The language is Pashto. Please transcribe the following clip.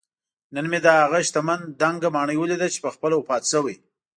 نن مې دهغه شتمن دنګه ماڼۍ ولیده چې پخپله وفات شوی